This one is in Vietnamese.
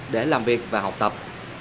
để làm việc và học tập